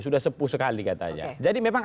sudah sepuh sekali katanya jadi memang